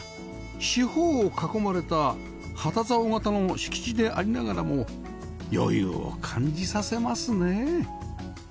四方を囲まれた旗竿形の敷地でありながらも余裕を感じさせますね